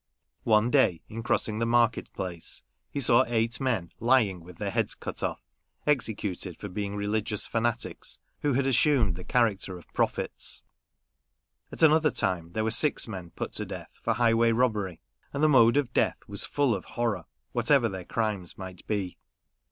One day, in crossing the market place, he saw eight men lying with their heads cut off ; executed for being religious fanatics, who had assumed the cha racter of prophets, were six men put At another time, there to death for highway robbery ; and the mode of death was full of horror, whatever their crimes might be.